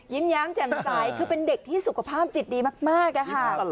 ยิ้มแยำแจ่มสายคือเป็นเด็กที่สุขภาพจิตดีมาก